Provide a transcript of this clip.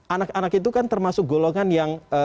anak anak itu kan termasuk golongan yang